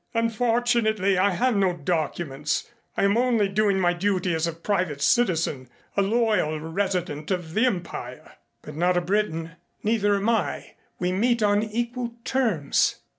Unfortunately I have no documents. I am only doing my duty as a private citizen a loyal resident of the Empire." "But not a Briton. Neither am I. We meet on equal terms."